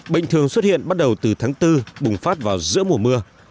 bệnh thường xuất hiện bắt đầu từ tháng bốn bùng phát vào giữa mùa mưa